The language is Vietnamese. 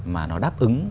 mà nó đáp ứng